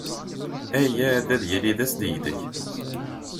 Aya ad yili d asdegdeg.